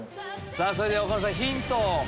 それでは岡村さんヒントを。